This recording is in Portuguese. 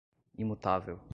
imutável